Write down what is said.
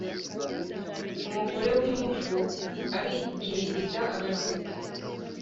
Umugore w’umupfu arikirigita agaseka.